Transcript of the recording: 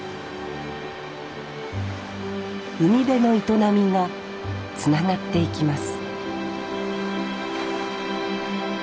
海辺の営みがつながっていきます